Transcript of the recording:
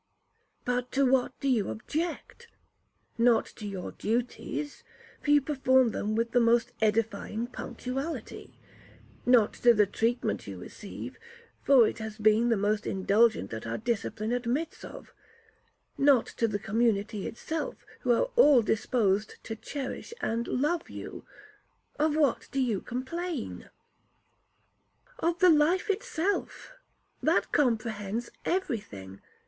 'But to what do you object?—not to your duties, for you perform them with the most edifying punctuality,—not to the treatment you receive, for it has been the most indulgent that our discipline admits of,—not to the community itself, who are all disposed to cherish and love you;—of what do you complain?' 'Of the life itself,—that comprehends every thing.